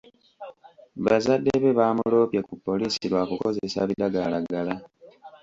Bazadde be baamuloopye ku poliisi lwa kukozesa biragalalagala.